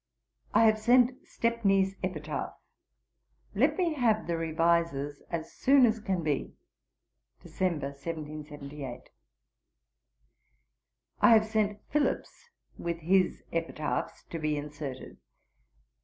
I have sent Stepney's Epitaph. Let me have the revises as soon as can be. Dec. 1778.' 'I have sent Philips, with his Epitaphs, to be inserted.